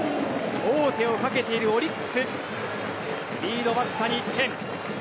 王手をかけているオリックスリードわずかに１点。